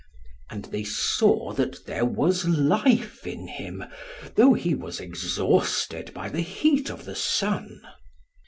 And they saw that there was life in him, though he was exhausted by the heat of the sun.